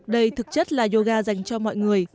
đây thực chất là yoga dành cho mọi người